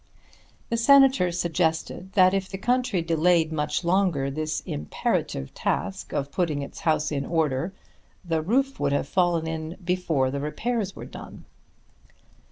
The Senator suggested that if the country delayed much longer this imperative task of putting its house in order, the roof would have fallen in before the repairs were done.